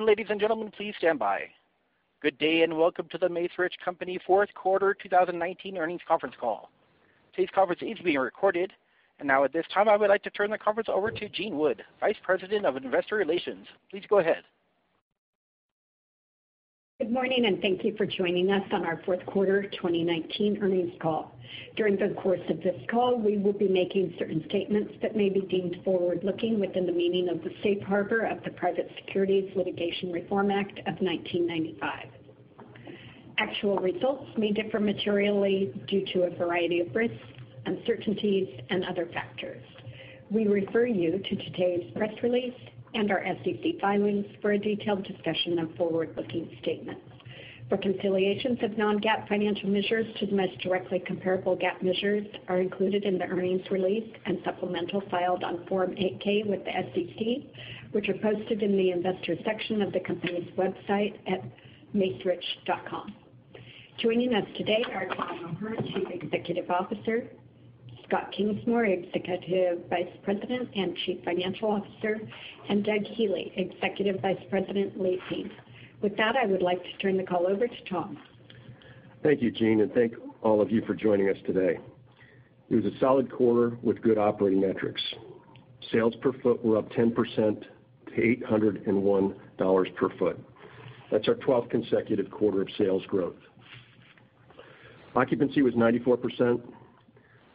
Ladies and gentlemen, please stand by. Good day, welcome to The Macerich Company fourth quarter 2019 earnings conference call. Today's conference is being recorded. Now at this time, I would like to turn the conference over to Jean Wood, Vice President of Investor Relations. Please go ahead. Good morning, and thank you for joining us on our fourth quarter 2019 earnings call. During the course of this call, we will be making certain statements that may be deemed forward-looking within the meaning of the safe harbor of the Private Securities Litigation Reform Act of 1995. Actual results may differ materially due to a variety of risks, uncertainties and other factors. We refer you to today's press release and our SEC filings for a detailed discussion of forward-looking statements. Reconciliations of non-GAAP financial measures to the most directly comparable GAAP measures are included in the earnings release and supplemental filed on Form 8-K with the SEC, which are posted in the investor section of the company's website at macerich.com. Joining us today are Tom O'Hern, Chief Executive Officer, Scott Kingsmore, Executive Vice President and Chief Financial Officer, and Doug Healey, Executive Vice President, Leasing. With that, I would like to turn the call over to Tom. Thank you, Jean, and thank all of you for joining us today. It was a solid quarter with good operating metrics. Sales per foot were up 10% to $801 per foot. That's our 12th consecutive quarter of sales growth. Occupancy was 94%,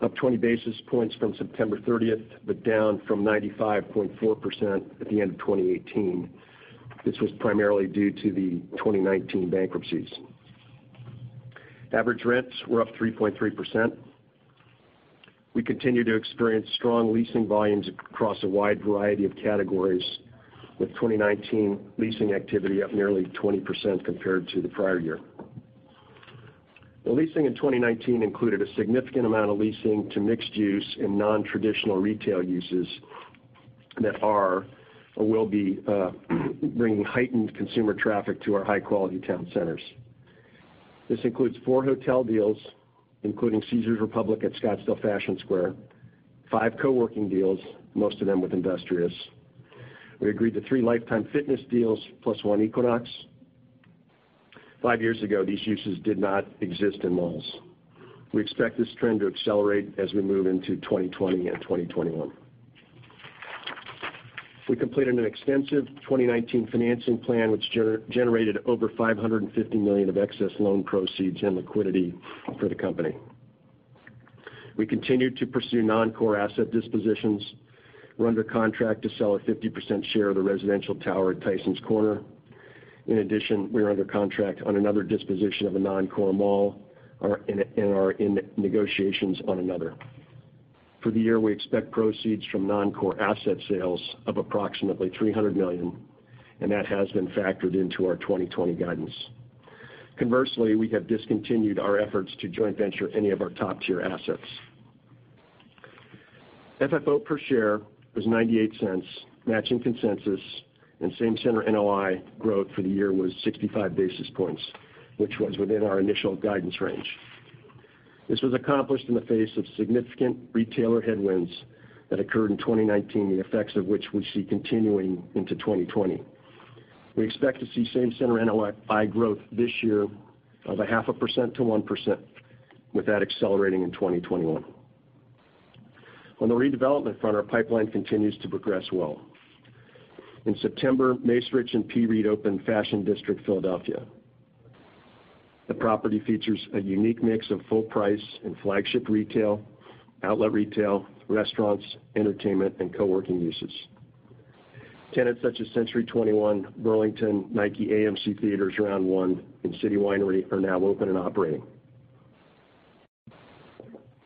up 20 basis points from September 30th, but down from 95.4% at the end of 2018. This was primarily due to the 2019 bankruptcies. Average rents were up 3.3%. We continue to experience strong leasing volumes across a wide variety of categories, with 2019 leasing activity up nearly 20% compared to the prior year. The leasing in 2019 included a significant amount of leasing to mixed use and non-traditional retail uses that are or will be bringing heightened consumer traffic to our high-quality town centers. This includes four hotel deals, including Caesars Republic at Scottsdale Fashion Square, five co-working deals, most of them with Industrious. We agreed to three Life Time Fitness deals, plus one Equinox. Five years ago, these uses did not exist in malls. We expect this trend to accelerate as we move into 2020 and 2021. We completed an extensive 2019 financing plan, which generated over $550 million of excess loan proceeds and liquidity for the company. We continued to pursue non-core asset dispositions. We're under contract to sell a 50% share of the residential tower at Tysons Corner. In addition, we are under contract on another disposition of a non-core mall, and are in negotiations on another. For the year, we expect proceeds from non-core asset sales of approximately $300 million, and that has been factored into our 2020 guidance. Conversely, we have discontinued our efforts to joint venture any of our top-tier assets. FFO per share was $0.98, matching consensus, and same center NOI growth for the year was 65 basis points, which was within our initial guidance range. This was accomplished in the face of significant retailer headwinds that occurred in 2019, the effects of which we see continuing into 2020. We expect to see same center NOI growth this year of a half a percent to 1%, with that accelerating in 2021. On the redevelopment front, our pipeline continues to progress well. In September, Macerich and PREIT opened Fashion District Philadelphia. The property features a unique mix of full price and flagship retail, outlet retail, restaurants, entertainment, and co-working uses. Tenants such as Century 21, Burlington, Nike, AMC Theatres, Round One, and City Winery are now open and operating.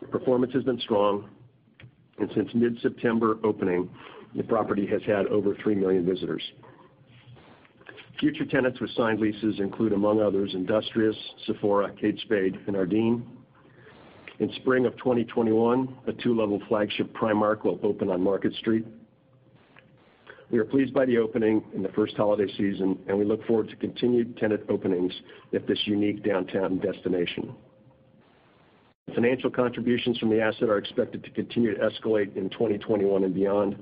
Performance has been strong, and since mid-September opening, the property has had over 3 million visitors. Future tenants with signed leases include, among others, Industrious, Sephora, Kate Spade, and Ardene. In spring of 2021, a two-level flagship Primark will open on Market Street. We are pleased by the opening in the first holiday season, and we look forward to continued tenant openings at this unique downtown destination. Financial contributions from the asset are expected to continue to escalate in 2021 and beyond.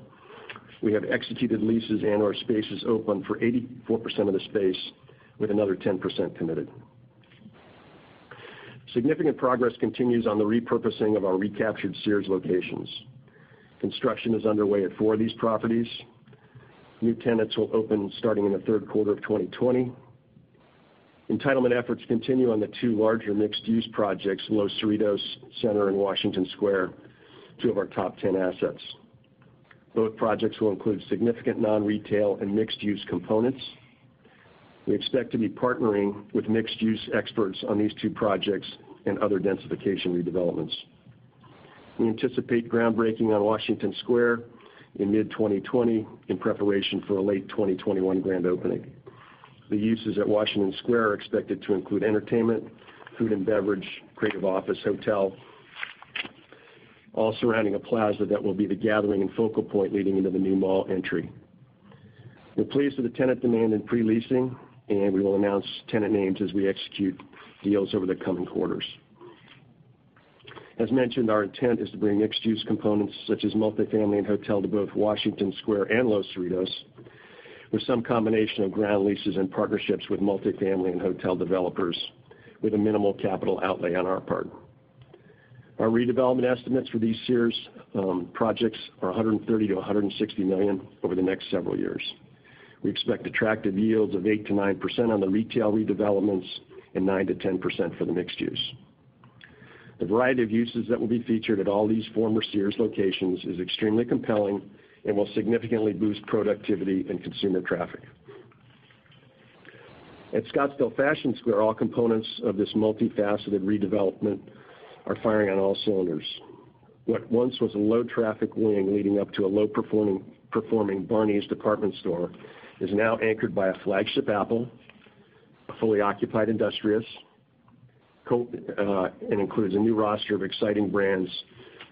We have executed leases and/or spaces open for 84% of the space, with another 10% committed. Significant progress continues on the repurposing of our recaptured Sears locations. Construction is underway at four of these properties. New tenants will open starting in the third quarter of 2020. Entitlement efforts continue on the two larger mixed-use projects, Los Cerritos Center and Washington Square, two of our top 10 assets. Both projects will include significant non-retail and mixed-use components. We expect to be partnering with mixed-use experts on these two projects and other densification redevelopments. We anticipate groundbreaking on Washington Square in mid-2020 in preparation for a late 2021 grand opening. The uses at Washington Square are expected to include entertainment, food and beverage, creative office, hotel, all surrounding a plaza that will be the gathering and focal point leading into the new mall entry. We're pleased with the tenant demand and pre-leasing. We will announce tenant names as we execute deals over the coming quarters. As mentioned, our intent is to bring mixed-use components such as multi-family and hotel to both Washington Square and Los Cerritos, with some combination of ground leases and partnerships with multi-family and hotel developers with a minimal capital outlay on our part. Our redevelopment estimates for these Sears projects are $130 million-$160 million over the next several years. We expect attractive yields of 8%-9% on the retail redevelopments, and 9%-10% for the mixed use. The variety of uses that will be featured at all these former Sears locations is extremely compelling and will significantly boost productivity and consumer traffic. At Scottsdale Fashion Square, all components of this multifaceted redevelopment are firing on all cylinders. What once was a low traffic wing leading up to a low-performing Barneys department store is now anchored by a flagship Apple, a fully occupied Industrious, and includes a new roster of exciting brands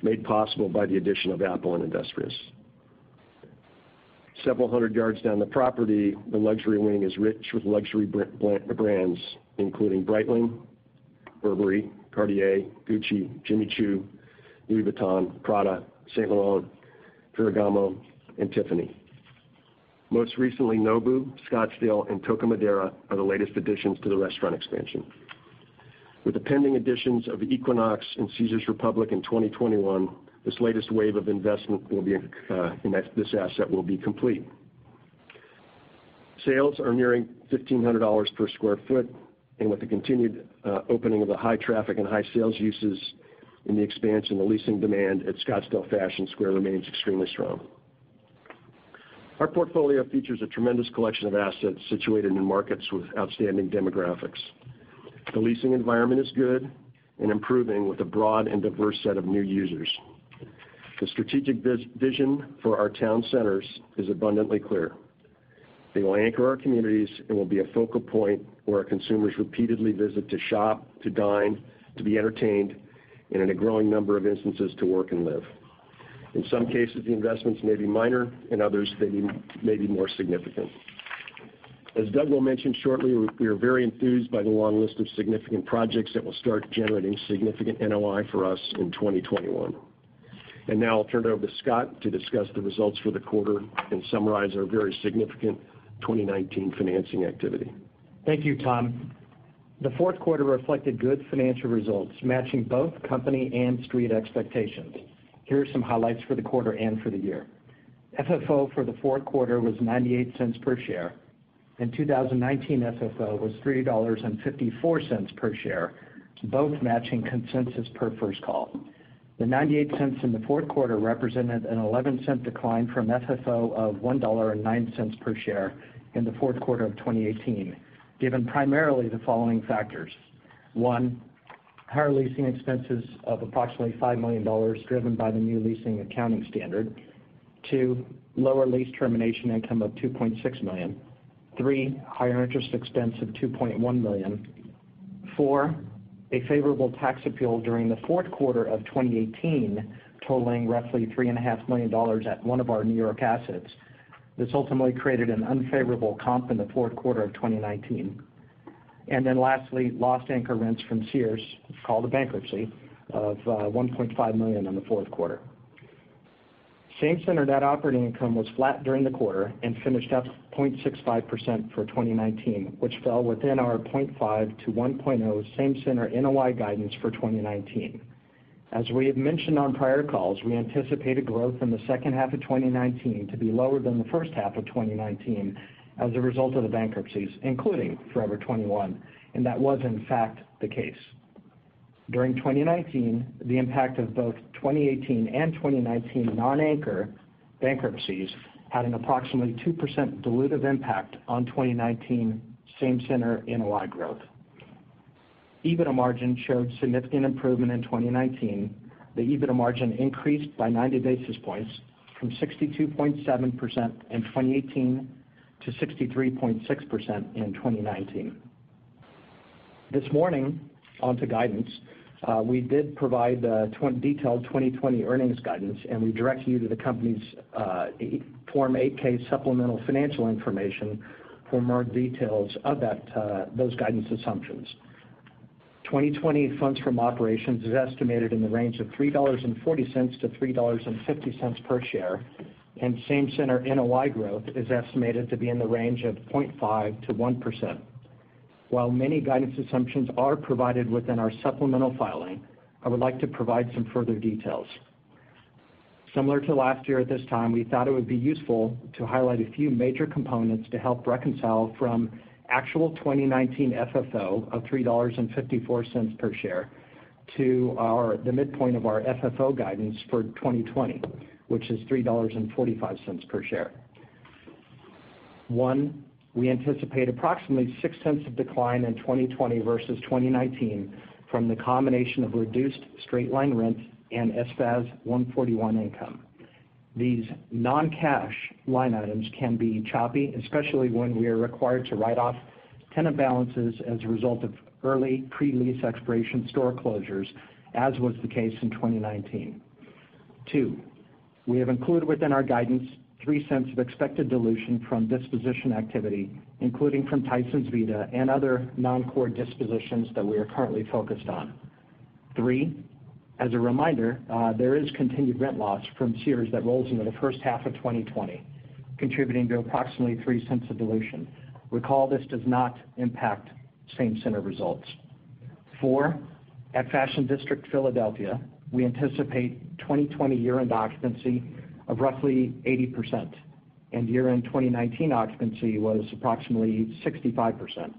made possible by the addition of Apple and Industrious. Several hundred yards down the property, the luxury wing is rich with luxury brands, including Breitling, Burberry, Cartier, Gucci, Jimmy Choo, Louis Vuitton, Prada, Saint Laurent, Ferragamo, and Tiffany. Most recently, Nobu, Scottsdale, and Toca Madera are the latest additions to the restaurant expansion. With the pending additions of Equinox and Caesars Republic in 2021, this latest wave of investment in this asset will be complete. Sales are nearing $1,500 per sq ft, and with the continued opening of the high traffic and high sales uses in the expansion, the leasing demand at Scottsdale Fashion Square remains extremely strong. Our portfolio features a tremendous collection of assets situated in markets with outstanding demographics. The leasing environment is good and improving with a broad and diverse set of new users. The strategic vision for our town centers is abundantly clear. They will anchor our communities and will be a focal point where our consumers repeatedly visit to shop, to dine, to be entertained, and in a growing number of instances, to work and live. In some cases, the investments may be minor, in others, they may be more significant. As Doug will mention shortly, we are very enthused by the long list of significant projects that will start generating significant NOI for us in 2021. Now I'll turn it over to Scott to discuss the results for the quarter and summarize our very significant 2019 financing activity. Thank you, Tom. The fourth quarter reflected good financial results, matching both company and street expectations. Here are some highlights for the quarter and for the year. FFO for the fourth quarter was $0.98 per share. In 2019, FFO was $3.54 per share, both matching consensus per First Call. The $0.98 in the fourth quarter represented an $0.11 decline from FFO of $1.09 per share in the fourth quarter of 2018, given primarily the following factors. One, higher leasing expenses of approximately $5 million, driven by the new leasing accounting standard. Two, lower lease termination income of $2.6 million. Three, higher interest expense of $2.1 million. Four, a favorable tax appeal during the fourth quarter of 2018, totaling roughly $3.5 million at one of our New York assets. This ultimately created an unfavorable comp in the fourth quarter of 2019. Lastly, lost anchor rents from Sears, called a bankruptcy, of $1.5 million in the fourth quarter. Same-center net operating income was flat during the quarter and finished up 0.65% for 2019, which fell within our 0.5%-1.0% same-center NOI guidance for 2019. As we have mentioned on prior calls, we anticipated growth in the second half of 2019 to be lower than the first half of 2019 as a result of the bankruptcies, including Forever 21, and that was in fact the case. During 2019, the impact of both 2018 and 2019 non-anchor bankruptcies had an approximately 2% dilutive impact on 2019 same-center NOI growth. EBITDA margin showed significant improvement in 2019. The EBITDA margin increased by 90 basis points from 62.7% in 2018 to 63.6% in 2019. This morning, onto guidance. We did provide detailed 2020 earnings guidance, and we direct you to the company's Form 8-K supplemental financial information for more details of those guidance assumptions. 2020 funds from operations is estimated in the range of $3.40-$3.50 per share, and same center NOI growth is estimated to be in the range of 0.5%-1%. While many guidance assumptions are provided within our supplemental filing, I would like to provide some further details. Similar to last year at this time, we thought it would be useful to highlight a few major components to help reconcile from actual 2019 FFO of $3.54 per share to the midpoint of our FFO guidance for 2020, which is $3.45 per share. One, we anticipate approximately $0.06 of decline in 2020 versus 2019 from the combination of reduced straight-line rent and SFAS 141 income. These non-cash line items can be choppy, especially when we are required to write off tenant balances as a result of early pre-lease expiration store closures, as was the case in 2019. Two. We have included within our guidance $0.03 of expected dilution from disposition activity, including from Tysons Vita and other non-core dispositions that we are currently focused on. Three. As a reminder, there is continued rent loss from Sears that rolls into the first half of 2020, contributing to approximately $0.03 of dilution. Recall, this does not impact same-center results. Four. At Fashion District Philadelphia, we anticipate 2020 year-end occupancy of roughly 80%, and year-end 2019 occupancy was approximately 65%.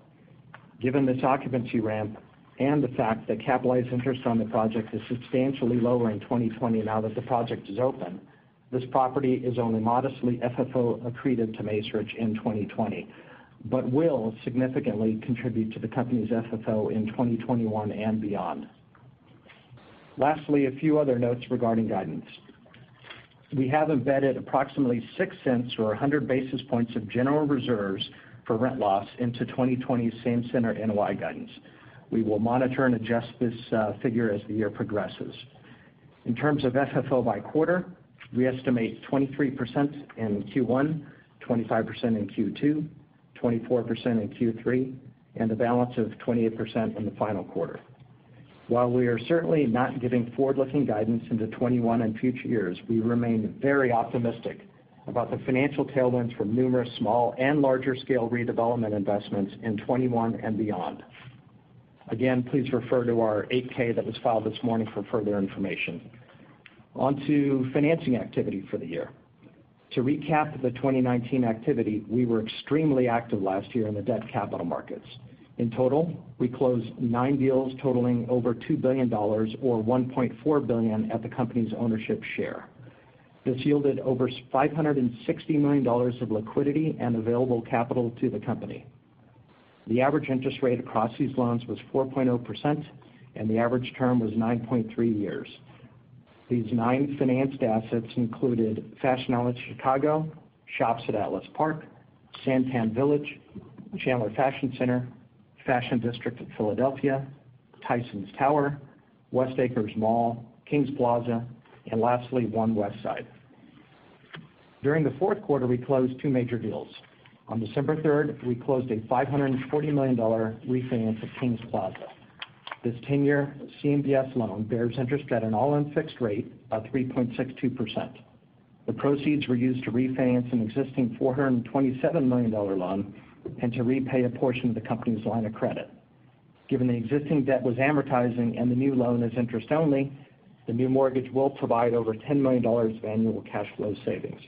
Given this occupancy ramp and the fact that capitalized interest on the project is substantially lower in 2020 now that the project is open, this property is only modestly FFO accreted to Macerich in 2020, but will significantly contribute to the company's FFO in 2021 and beyond. A few other notes regarding guidance. We have embedded approximately $0.06 or 100 basis points of general reserves for rent loss into 2020 same-center NOI guidance. We will monitor and adjust this figure as the year progresses. In terms of FFO by quarter, we estimate 23% in Q1, 25% in Q2, 24% in Q3, and the balance of 28% in the final quarter. While we are certainly not giving forward-looking guidance into 2021 and future years, we remain very optimistic about the financial tailwinds from numerous small and larger scale redevelopment investments in 2021 and beyond. Again, please refer to our 8-K that was filed this morning for further information. On to financing activity for the year. To recap the 2019 activity, we were extremely active last year in the debt capital markets. In total, we closed nine deals totaling over $2 billion, or $1.4 billion at the company's ownership share. This yielded over $560 million of liquidity and available capital to the company. The average interest rate across these loans was 4.0%, and the average term was 9.3 years. These nine financed assets included Fashion Outlet Chicago, Shops at Atlas Park, SanTan Village, Chandler Fashion Center, Fashion District at Philadelphia, Tysons Tower, West Acres Mall, Kings Plaza, and lastly, One Westside. During the fourth quarter, we closed two major deals. On December 3rd, we closed a $540 million refinance of Kings Plaza. This 10-year CMBS loan bears interest at an all-in fixed rate of 3.62%. The proceeds were used to refinance an existing $427 million loan and to repay a portion of the company's line of credit. Given the existing debt was amortizing and the new loan is interest only, the new mortgage will provide over $10 million of annual cash flow savings.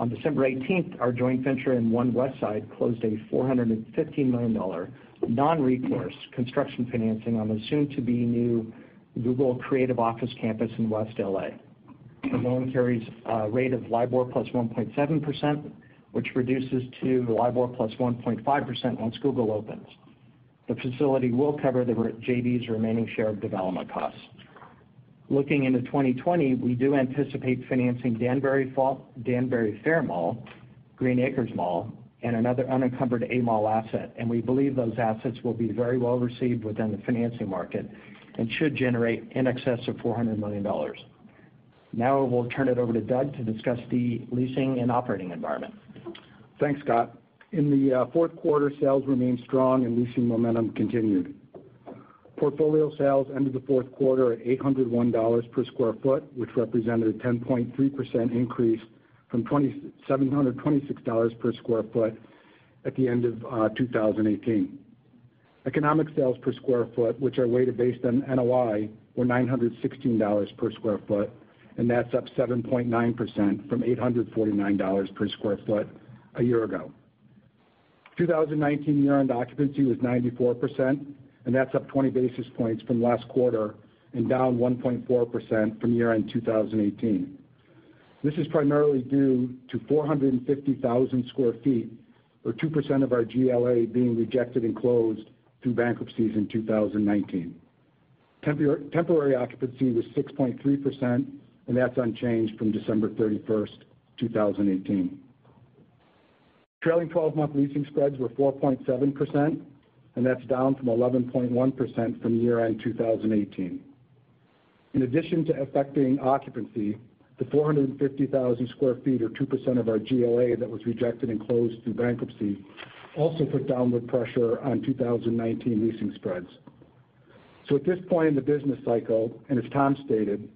On December 18th, our joint venture in One Westside closed a $415 million non-recourse construction financing on the soon to be new Google creative office campus in West L.A. The loan carries a rate of LIBOR plus 1.7%, which reduces to LIBOR +1.5% once Google opens. The facility will cover the JV's remaining share of development costs. Looking into 2020, we do anticipate financing Danbury Fair Mall, Green Acres Mall, and another unencumbered A mall asset. We believe those assets will be very well received within the financing market and should generate in excess of $400 million. Now I will turn it over to Doug to discuss the leasing and operating environment. Thanks, Scott. In the fourth quarter, sales remained strong and leasing momentum continued. Portfolio sales ended the fourth quarter at $801 per square foot, which represented a 10.3% increase from $726 per square foot at the end of 2018. Economic sales per square foot, which are weighted based on NOI, were $916 per square foot, and that's up 7.9% from $849 per square foot a year ago. 2019 year-end occupancy was 94%, and that's up 20 basis points from last quarter and down 1.4% from year-end 2018. This is primarily due to 450,000 sq ft or 2% of our GLA being rejected and closed through bankruptcies in 2019. Temporary occupancy was 6.3%, and that's unchanged from December 31st, 2018. Trailing 12-month leasing spreads were 4.7%, and that's down from 11.1% from year-end 2018. In addition to affecting occupancy, the 450,000 sq ft or 2% of our GLA that was rejected and closed through bankruptcy also put downward pressure on 2019 leasing spreads. At this point in the business cycle, and as Tom stated,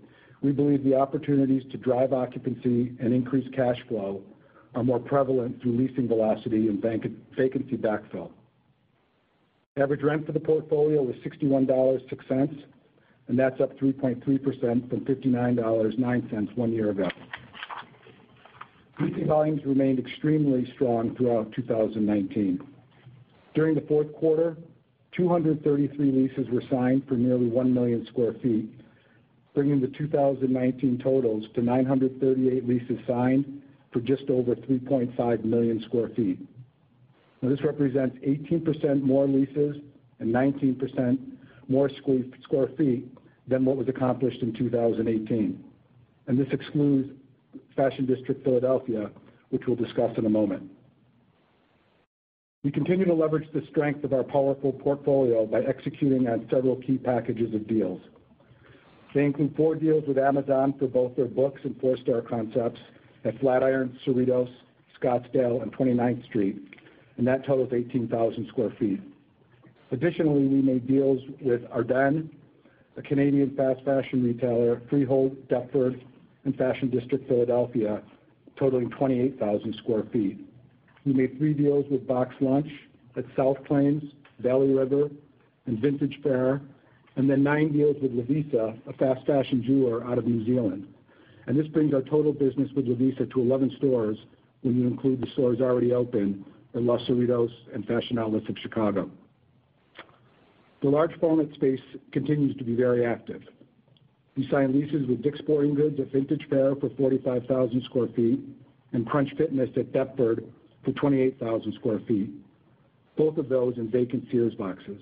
we believe the opportunities to drive occupancy and increase cash flow are more prevalent through leasing velocity and vacancy backfill. Average rent for the portfolio was $61.06, and that's up 3.3% from $59.09 one year ago. Leasing volumes remained extremely strong throughout 2019. During the fourth quarter, 233 leases were signed for nearly 1 million square feet, bringing the 2019 totals to 938 leases signed for just over 3.5 million square feet. Now, this represents 18% more leases and 19% more square feet than what was accomplished in 2018. This excludes Fashion District Philadelphia, which we'll discuss in a moment. We continue to leverage the strength of our powerful portfolio by executing on several key packages of deals. They include four deals with Amazon for both their Books and Amazon four-star concepts at FlatIron, Cerritos, Scottsdale, and 29th Street. That totals 18,000 sq ft. Additionally, we made deals with Ardène, a Canadian fast fashion retailer, Freehold, Deptford, and Fashion District Philadelphia, totaling 28,000 sq ft. We made three deals with BoxLunch at South Plains, Valley River, and Vintage Faire, then nine deals with Lovisa, a fast fashion jeweler out of New Zealand. This brings our total business with Lovisa to 11 stores, when you include the stores already open in Los Cerritos and Fashion Outlets of Chicago. The large format space continues to be very active. We signed leases with Dick's Sporting Goods at Vintage Faire Mall for 45,000 sq ft, and Crunch Fitness at Deptford Mall for 28,000 sq ft, both of those in vacant Sears boxes.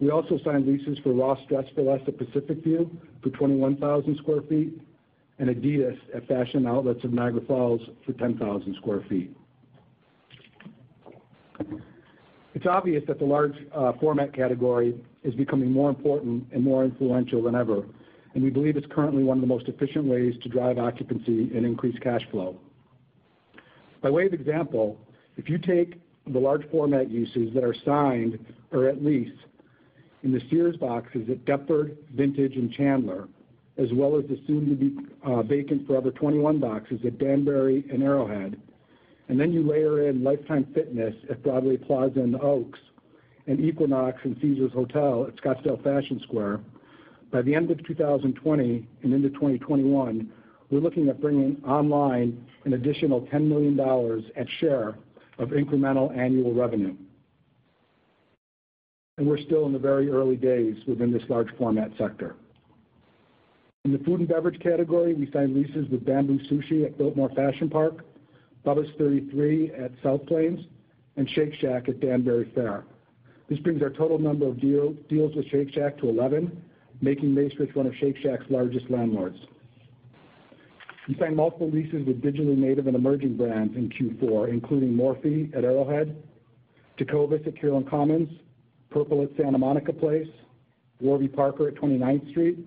We also signed leases for Ross Dress for Less at Pacific View for 21,000 sq ft, and adidas at Fashion Outlets of Niagara Falls for 10,000 sq ft. It's obvious that the large format category is becoming more important and more influential than ever, and we believe it's currently one of the most efficient ways to drive occupancy and increase cash flow. By way of example, if you take the large format leases that are signed or at lease in the Sears boxes at Deptford, Vintage, and Chandler, as well as the soon to be vacant Forever 21 boxes at Danbury and Arrowhead, you layer in Life Time Fitness at Broadway Plaza and The Oaks, and Equinox and Caesars Hotel at Scottsdale Fashion Square, by the end of 2020 and into 2021, we're looking at bringing online an additional $10 million at share of incremental annual revenue. We're still in the very early days within this large format sector. In the food and beverage category, we signed leases with Bamboo Sushi at Biltmore Fashion Park, Bubba's 33 at South Plains, and Shake Shack at Danbury Fair. This brings our total number of deals with Shake Shack to 11, making Macerich one of Shake Shack's largest landlords. We signed multiple leases with digitally native and emerging brands in Q4, including Morphe at Arrowhead, Toca Madera at Carillon Commons, Purple at Santa Monica Place, Warby Parker at 29th Street,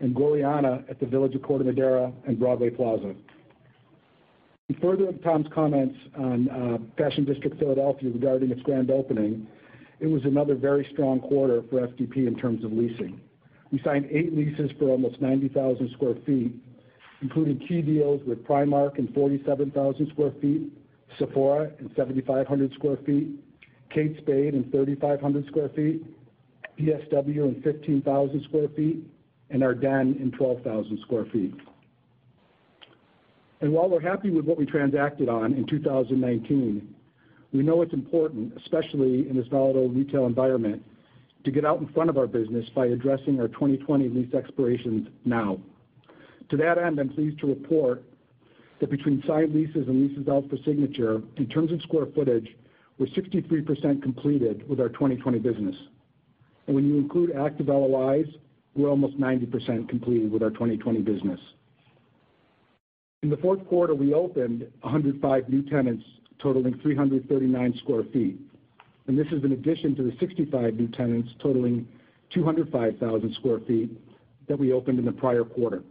and gorjana at the Village of Corte Madera and Broadway Plaza. In further of Tom's comments on Fashion District Philadelphia regarding its grand opening, it was another very strong quarter for FDP in terms of leasing. We signed eight leases for almost 90,000 square ft, including key deals with Primark and 47,000 sq ft, Sephora and 7,500 sq ft, Kate Spade and 3,500 sq ft, PSW and 15,000 sq ft, and Ardene and 12,000 sq ft. While we're happy with what we transacted on in 2019, we know it's important, especially in this volatile retail environment, to get out in front of our business by addressing our 2020 lease expirations now. To that end, I'm pleased to report that between signed leases and leases out for signature, in terms of square footage, we're 63% completed with our 2020 business. When you include active LOIs, we're almost 90% completed with our 2020 business. In the fourth quarter, we opened 105 new tenants totaling 339 sq ft. This is in addition to the 65 new tenants totaling 205,000 sq ft that we opened in the prior quarter.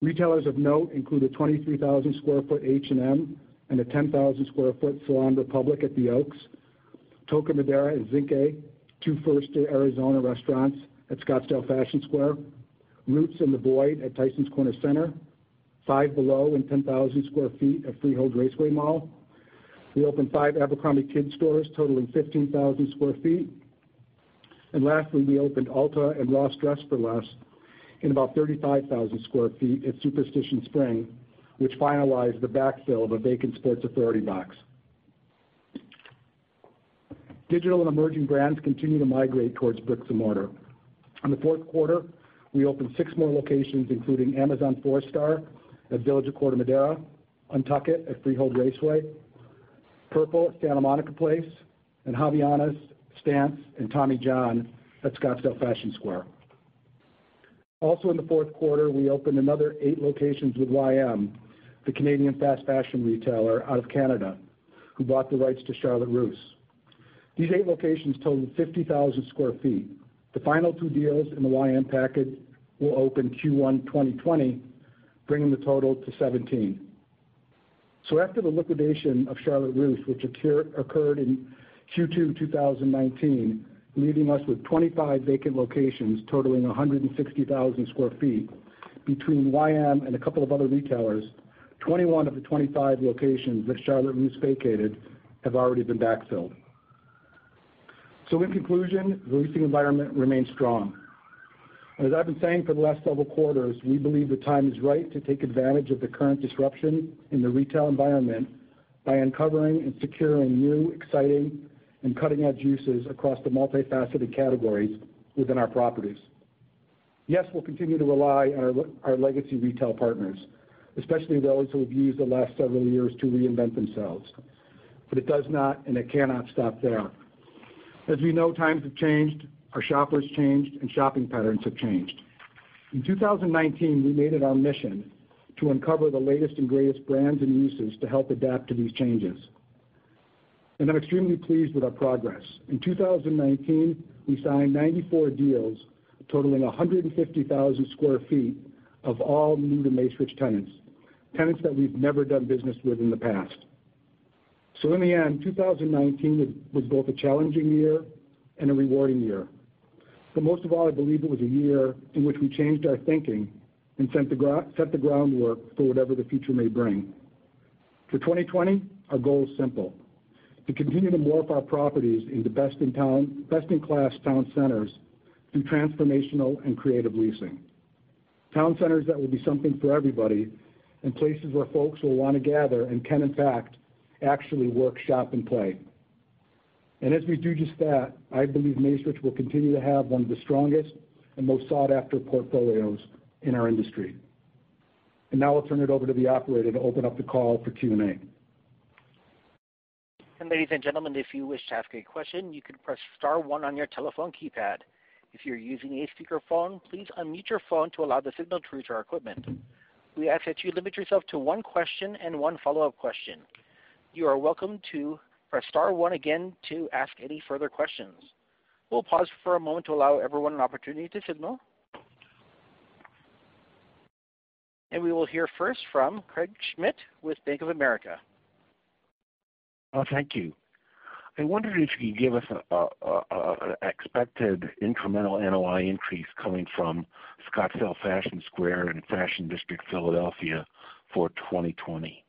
Retailers of note include a 23,000 sq ft H&M and a 10,000 sq ft Salon Republic at The Oaks, Toca Madera and Zinqué, two first Arizona restaurants at Scottsdale Fashion Square, Roots and L'Occitane at Tysons Corner Center, Five Below and 10,000 sq ft at Freehold Raceway Mall. We opened five abercrombie kids stores totaling 15,000 sq ft. Lastly, we opened Ulta and Ross Dress for Less in about 35,000 sq ft at Superstition Springs, which finalized the backfill of a vacant Sports Authority box. Digital and emerging brands continue to migrate towards bricks and mortar. In the fourth quarter, we opened six more locations, including Amazon 4-star at Village of Corte Madera, UNTUCKit at Freehold Raceway, Purple at Santa Monica Place, and Havaianas, Stance, and Tommy John at Scottsdale Fashion Square. Also in the fourth quarter, we opened another eight locations with YM, the Canadian fast fashion retailer out of Canada, who bought the rights to Charlotte Russe. These eight locations total 50,000 sq ft. The final two deals in the YM package will open Q1 2020, bringing the total to 17. After the liquidation of Charlotte Russe, which occurred in Q2 2019, leaving us with 25 vacant locations totaling 160,000 sq ft, between YM and a couple of other retailers, 21 of the 25 locations that Charlotte Russe vacated have already been backfilled. In conclusion, the leasing environment remains strong. As I've been saying for the last several quarters, we believe the time is right to take advantage of the current disruption in the retail environment by uncovering and securing new, exciting, and cutting edge uses across the multifaceted categories within our properties. Yes, we'll continue to rely on our legacy retail partners, especially those who have used the last several years to reinvent themselves. It does not and it cannot stop there. As we know, times have changed, our shoppers changed, and shopping patterns have changed. In 2019, we made it our mission to uncover the latest and greatest brands and uses to help adapt to these changes. I'm extremely pleased with our progress. In 2019, we signed 94 deals totaling 150,000 sq ft of all new to Macerich tenants that we've never done business with in the past. In the end, 2019 was both a challenging year and a rewarding year. Most of all, I believe it was a year in which we changed our thinking and set the groundwork for whatever the future may bring. For 2020, our goal is simple: to continue to morph our properties into best-in-class town centers through transformational and creative leasing. Town centers that will be something for everybody and places where folks will want to gather and can, in fact, actually work, shop, and play. As we do just that, I believe Macerich will continue to have one of the strongest and most sought-after portfolios in our industry. Now I'll turn it over to the operator to open up the call for Q&A. Ladies and gentlemen, if you wish to ask a question, you can press star one on your telephone keypad. If you're using a speakerphone, please unmute your phone to allow the signal through to our equipment. We ask that you limit yourself to one question and one follow-up question. You are welcome to press star one again to ask any further questions. We'll pause for a moment to allow everyone an opportunity to signal. We will hear first from Craig Schmidt with Bank of America. Thank you. I wondered if you could give us an expected incremental NOI increase coming from Scottsdale Fashion Square and Fashion District Philadelphia for 2020.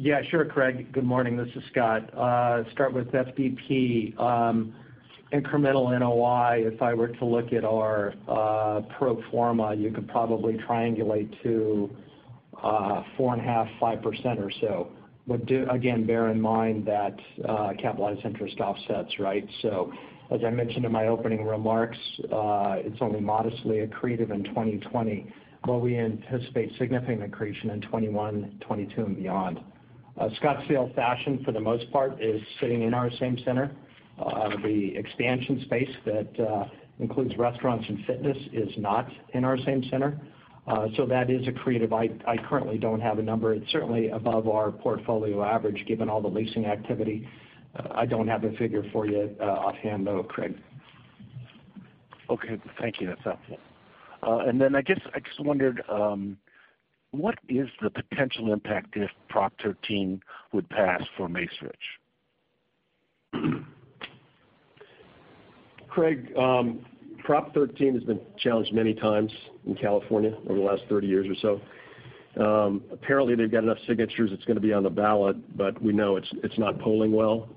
Yeah, sure, Craig. Good morning. This is Scott. Start with SBP. Incremental NOI, if I were to look at our pro forma, you could probably triangulate to 4.5%, 5% or so. Again, bear in mind that capitalized interest offsets, right? As I mentioned in my opening remarks, it's only modestly accretive in 2020, but we anticipate significant accretion in 2021, 2022, and beyond. Scottsdale Fashion, for the most part, is sitting in our same center. The expansion space that includes restaurants and fitness is not in our same center. That is accretive. I currently don't have a number. It's certainly above our portfolio average, given all the leasing activity. I don't have a figure for you offhand, though, Craig. Okay. Thank you. That's helpful. Then I just wondered, what is the potential impact if Proposition 13 would pass for Macerich? Craig, Prop 13 has been challenged many times in California over the last 30 years or so. Apparently, they've got enough signatures, it's going to be on the ballot, we know it's not polling well.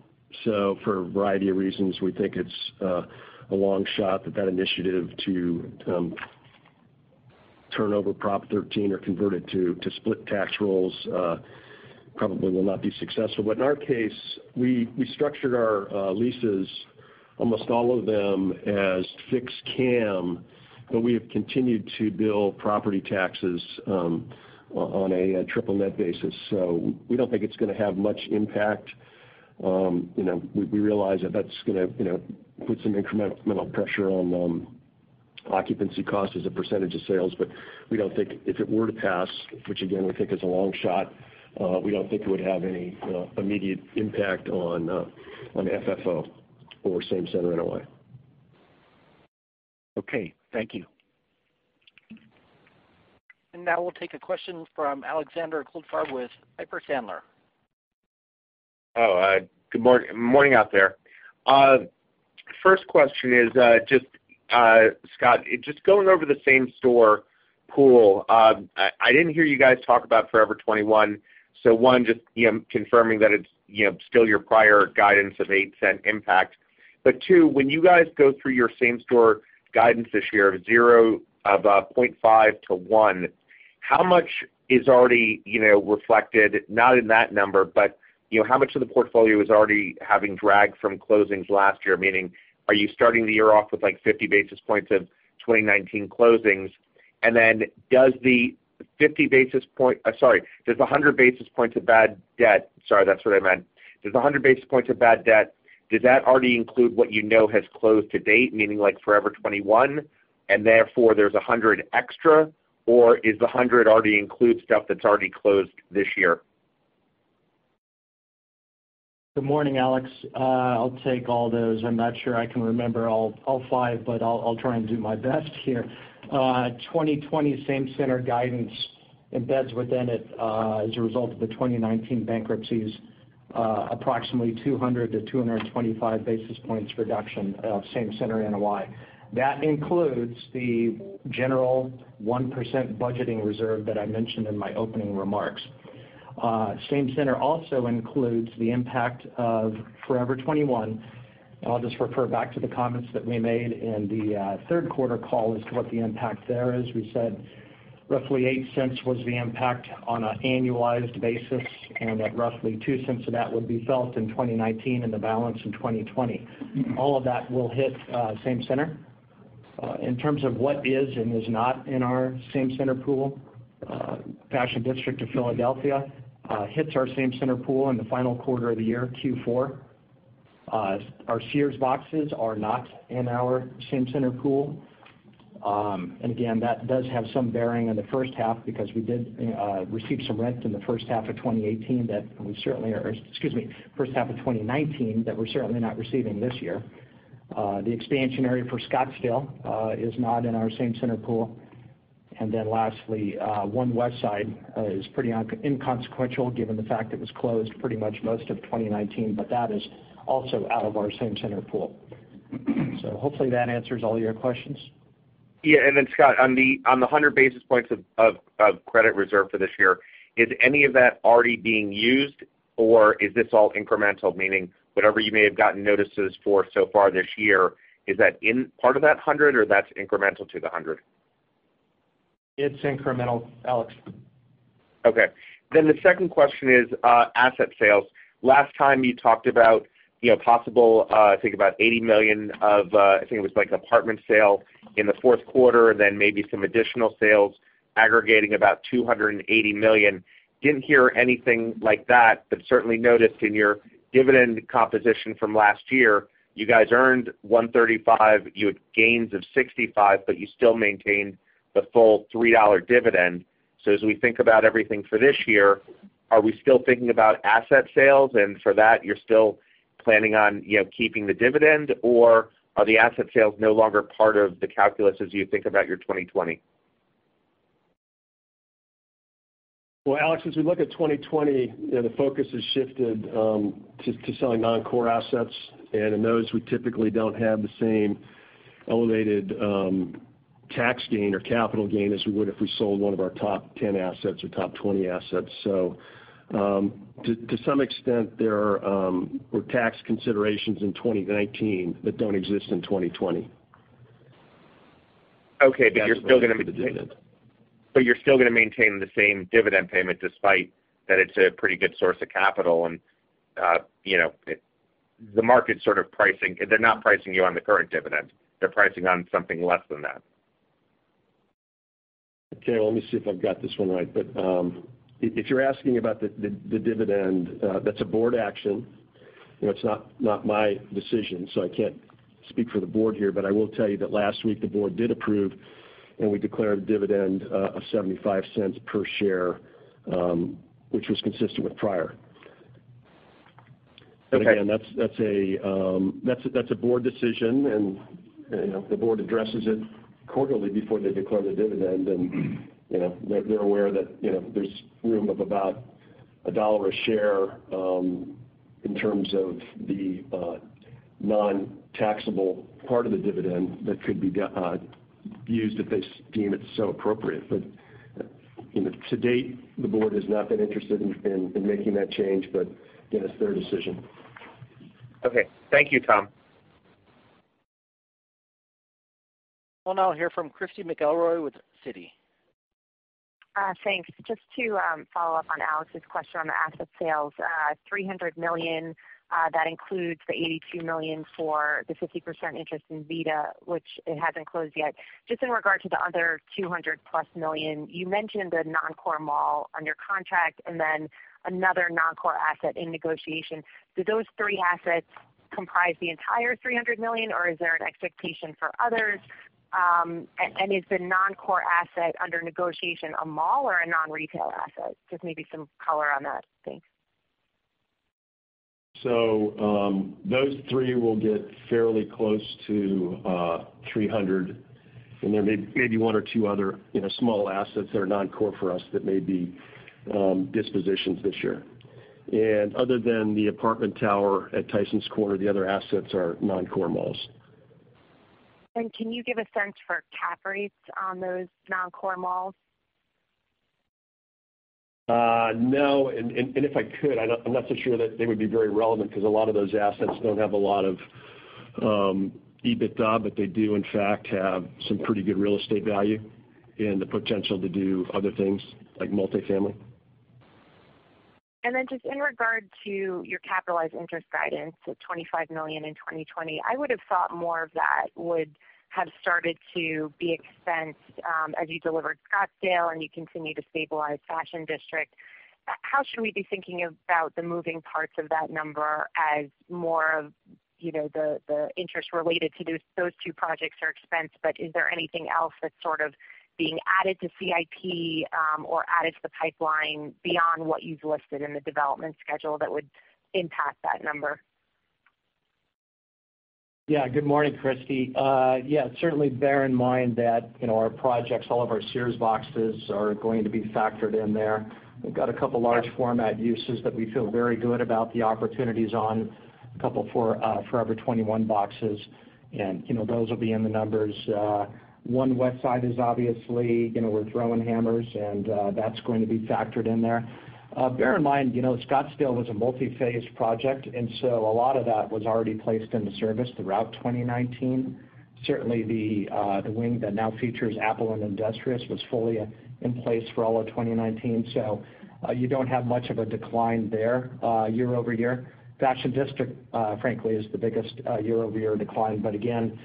For a variety of reasons, we think it's a long shot that that initiative to turn over Prop 13 or convert it to split tax rolls probably will not be successful. In our case, we structured our leases, almost all of them, as fixed CAM, but we have continued to bill property taxes on a triple net basis. We don't think it's going to have much impact. We realize that's going to put some incremental pressure on occupancy cost as a percentage of sales. If it were to pass, which again, we think is a long shot, we don't think it would have any immediate impact on FFO or same center NOI. Okay. Thank you. Now we'll take a question from Alexander Goldfarb with Piper Sandler. Good morning out there. First question is, Scott, just going over the same store pool. I didn't hear you guys talk about Forever 21, just confirming that it's still your prior guidance of $0.08 impact. When you guys go through your same store guidance this year of 0.5 to 1, how much is already reflected, not in that number, but how much of the portfolio is already having drag from closings last year? Meaning, are you starting the year off with 50 basis points of 2019 closings? Does 100 basis points of bad debt, sorry, that's what I meant. Does 100 basis points of bad debt, does that already include what you know has closed to date, meaning like Forever 21, and therefore there's 100 extra? Is the 100 already include stuff that's already closed this year? Good morning, Alex. I'll take all those. I'm not sure I can remember all five, but I'll try and do my best here. 2020 same center guidance embeds within it as a result of the 2019 bankruptcies, approximately 200-225 basis points reduction of same center NOI. That includes the general 1% budgeting reserve that I mentioned in my opening remarks. Same center also includes the impact of Forever 21. I'll just refer back to the comments that we made in the third quarter call as to what the impact there is. We said roughly $0.08 was the impact on an annualized basis, and that roughly $0.02 of that would be felt in 2019 and the balance in 2020. All of that will hit same center. In terms of what is and is not in our same center pool, Fashion District of Philadelphia hits our same center pool in the final quarter of the year, Q4. Our Sears boxes are not in our same center pool. Again, that does have some bearing on the first half because we did receive some rent in the first half of 2019 that we're certainly not receiving this year. The expansion area for Scottsdale is not in our same center pool. Lastly, One Westside is pretty inconsequential given the fact that was closed pretty much most of 2019, but that is also out of our same center pool. Hopefully that answers all your questions. Yeah. Scott, on the 100 basis points of credit reserve for this year, is any of that already being used or is this all incremental? Meaning whatever you may have gotten notices for so far this year, is that in part of that 100 or that's incremental to the 100? It's incremental, Alex. Okay. The second question is, asset sales. Last time you talked about possible, I think about $80 million of, I think it was like apartment sale in the fourth quarter, then maybe some additional sales aggregating about $280 million. Didn't hear anything like that, but certainly noticed in your dividend composition from last year, you guys earned $135, you had gains of $65, but you still maintained the full $3 dividend. As we think about everything for this year, are we still thinking about asset sales and for that, you're still planning on keeping the dividend? Or are the asset sales no longer part of the calculus as you think about your 2020? Well, Alex, as we look at 2020, the focus has shifted to selling non-core assets. In those, we typically don't have the same elevated tax gain or capital gain as we would if we sold one of our top 10 assets or top 20 assets. To some extent, there were tax considerations in 2019 that don't exist in 2020. Okay. You're still going to maintain the same dividend payment despite that it's a pretty good source of capital and the market's sort of pricing. They're not pricing you on the current dividend. They're pricing on something less than that. Okay, let me see if I've got this one right. If you're asking about the dividend, that's a board action. It's not my decision, so I can't speak for the board here. I will tell you that last week the board did approve, and we declared a dividend of $0.75 per share, which was consistent with prior. Okay. Again, that's a board decision, and the board addresses it quarterly before they declare the dividend. They're aware that there's room of about $1 a share, in terms of the non-taxable part of the dividend that could be used if they deem it so appropriate. To date, the board has not been interested in making that change, but it's their decision. Okay. Thank you, Tom. We'll now hear from Christy McElroy with Citi. Thanks. Just to follow up on Alex's question on the asset sales. $300 million, that includes the $82 million for the 50% interest in VITA, which it hasn't closed yet. Just in regard to the other $200+ million, you mentioned the non-core mall under contract and then another non-core asset in negotiation. Do those three assets comprise the entire $300 million, or is there an expectation for others? Is the non-core asset under negotiation a mall or a non-retail asset? Just maybe some color on that. Thanks. Those three will get fairly close to 300, and there may be one or two other small assets that are non-core for us that may be dispositions this year. Other than the apartment tower at Tysons Corner, the other assets are non-core malls. Can you give a sense for cap rates on those non-core malls? No, if I could, I'm not so sure that they would be very relevant because a lot of those assets don't have a lot of EBITDA, but they do in fact have some pretty good real estate value and the potential to do other things like multifamily. Just in regard to your capitalized interest guidance of $25 million in 2020, I would have thought more of that would have started to be expensed as you delivered Scottsdale and you continue to stabilize Fashion District. How should we be thinking about the moving parts of that number as more of the interest related to those two projects are expensed, but is there anything else that's sort of being added to CIP or added to the pipeline beyond what you've listed in the development schedule that would impact that number? Good morning, Christy. Certainly bear in mind that our projects, all of our Sears boxes are going to be factored in there. We have got a couple large format uses that we feel very good about the opportunities on. A couple Forever 21 boxes, those will be in the numbers. One Westside is obviously, we are throwing hammers, that is going to be factored in there. Bear in mind, Scottsdale was a multi-phase project, a lot of that was already placed into service throughout 2019. Certainly the wing that now features Apple and Industrious was fully in place for all of 2019, you do not have much of a decline there year-over-year. Fashion District, frankly, is the biggest year-over-year decline. Again,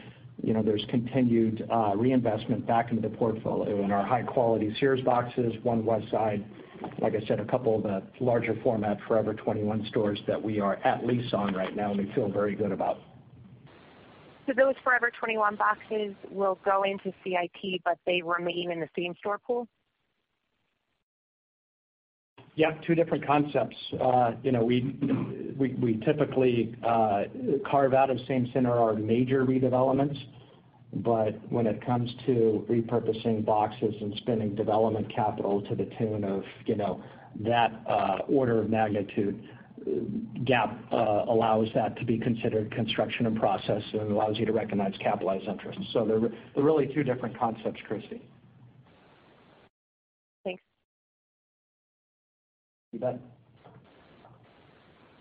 there's continued reinvestment back into the portfolio in our high-quality Sears boxes, One Westside, like I said, a couple of the larger format Forever 21 stores that we are at lease on right now, and we feel very good about. Those Forever 21 boxes will go into CIP, but they remain in the same-store pool? Yeah, two different concepts. We typically carve out of same-center our major redevelopments, but when it comes to repurposing boxes and spending development capital to the tune of that order of magnitude, GAAP allows that to be considered construction in process and allows you to recognize capitalized interest. They're really two different concepts, Christy. Thanks.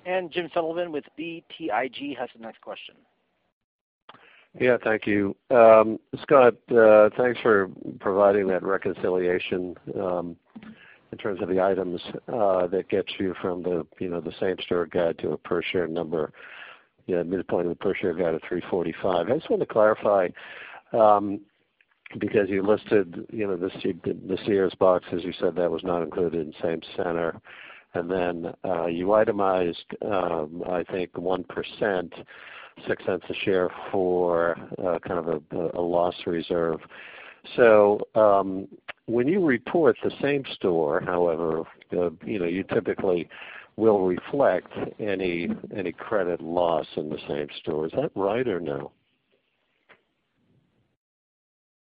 You bet. James Sullivan with BTIG has the next question. Yeah, thank you. Scott, thanks for providing that reconciliation in terms of the items that gets you from the same-store guide to a per share number. Midpoint of the per share guide at $3.45. I just wanted to clarify, because you listed the Sears box, as you said, that was not included in same-center. Then you itemized, I think 1%, $0.06 a share for kind of a loss reserve. When you report the same store, however, you typically will reflect any credit loss in the same store. Is that right or no?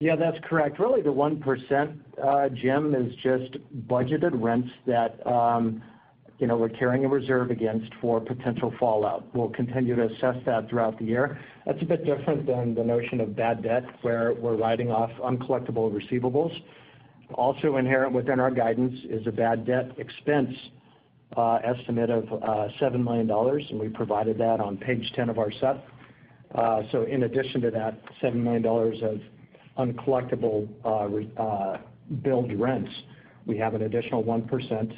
Yeah, that's correct. Really the 1%, Jim, is just budgeted rents that we're carrying a reserve against for potential fallout. We'll continue to assess that throughout the year. That's a bit different than the notion of bad debt, where we're writing off uncollectible receivables. Inherent within our guidance is a bad debt expense estimate of $7 million, and we provided that on page 10 of our supp. In addition to that $7 million of uncollectible billed rents, we have an additional 1%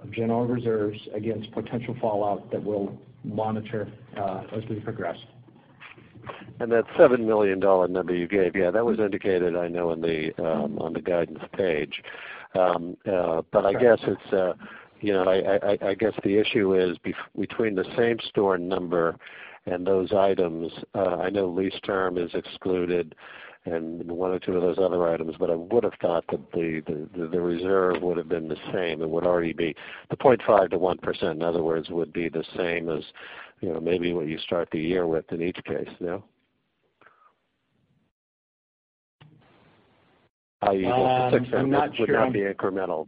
of general reserves against potential fallout that we'll monitor as we progress. That $7 million number you gave, yeah, that was indicated, I know, on the guidance page. I guess the issue is between the same store number and those items. I know lease term is excluded and one or two of those other items, but I would've thought that the reserve would've been the same. It would already be the 0.5%-1%, in other words, would be the same as maybe what you start the year with in each case. No? How you get to $0.06. I'm not sure would not be incremental.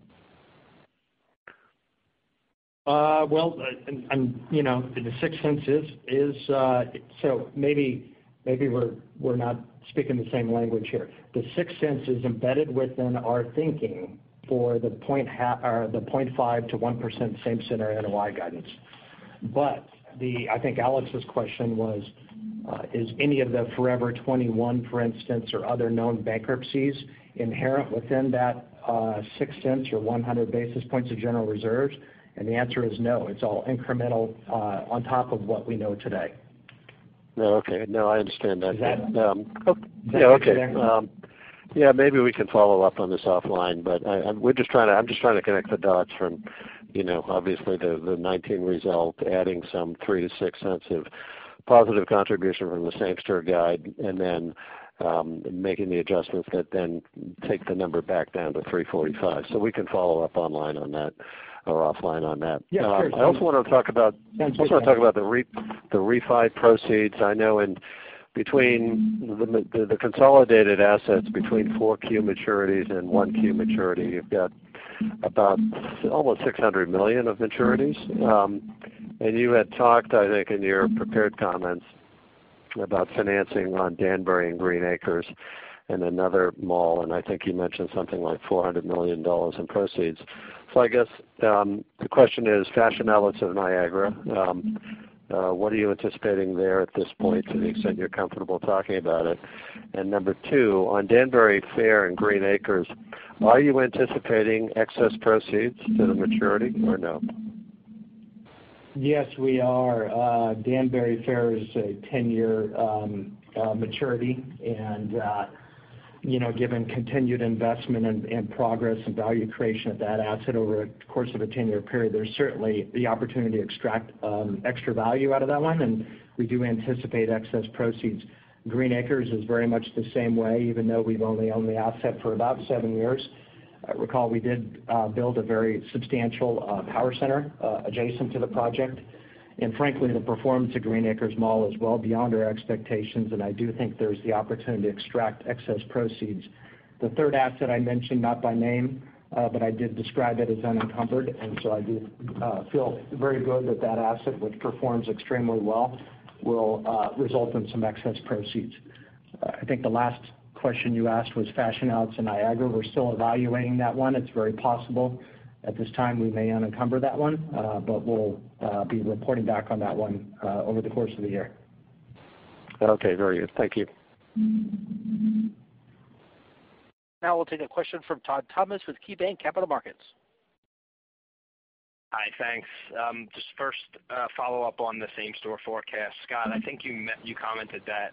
Well, the $0.06. Maybe we're not speaking the same language here. The $0.06 is embedded within our thinking for the 0.5%-1% same center NOI guidance. I think Alex's question was, is any of the Forever 21, for instance, or other known bankruptcies inherent within that $0.06 or 100 basis points of general reserves? The answer is no. It's all incremental on top of what we know today. No, okay. No, I understand that. Is that clear? Okay. Maybe we can follow up on this offline, but I'm just trying to connect the dots from obviously the 2019 result, adding some $0.03 to $0.06 of positive contribution from the same store guide, and then making the adjustments that then take the number back down to $3.45. We can follow up online on that, or offline on that. Yeah, sure. I also want to talk about- Sounds good. the refi proceeds. I know between the consolidated assets, between 4Q maturities and 1Q maturity, you've got about almost $600 million of maturities. You had talked, I think, in your prepared comments about financing on Danbury and Green Acres and another mall, and I think you mentioned something like $400 million in proceeds. I guess the question is Fashion Outlets at Niagara. What are you anticipating there at this point, to the extent you're comfortable talking about it? Number two, on Danbury Fair and Green Acres, are you anticipating excess proceeds to the maturity or no? Yes, we are. Danbury Fair is a 10-year maturity. Given continued investment and progress and value creation at that asset over the course of a 10-year period, there's certainly the opportunity to extract extra value out of that one, and we do anticipate excess proceeds. Green Acres is very much the same way, even though we've only owned the asset for about seven years. Recall we did build a very substantial power center adjacent to the project. Frankly, the performance of Green Acres Mall is well beyond our expectations, and I do think there's the opportunity to extract excess proceeds. The third asset I mentioned, not by name, but I did describe it as unencumbered, and so I do feel very good that asset, which performs extremely well, will result in some excess proceeds. I think the last question you asked was Fashion Outlets in Niagara. We're still evaluating that one. It's very possible at this time we may unencumber that one, but we'll be reporting back on that one over the course of the year. Okay, very good. Thank you. Now we'll take a question from Todd Thomas with KeyBanc Capital Markets. Hi, thanks. Just first, a follow-up on the same-store forecast. Scott, I think you commented that